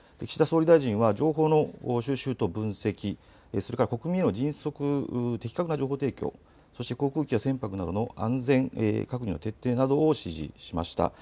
岸田総理大臣は情報の収集と分析、それから国民への迅速・的確な情報提供、そして航空機や船舶などの安全確認の徹底などを指示しました。